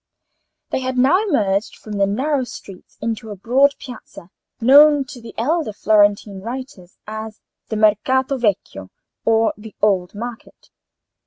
They had now emerged from the narrow streets into a broad piazza, known to the elder Florentine writers as the Mercato Vecchio, or the Old Market.